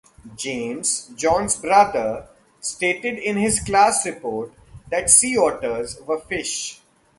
James, John's brother, stated in his class report that sea otters were fish.